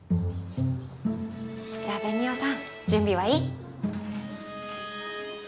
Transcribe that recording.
じゃあベニオさん準備はいい？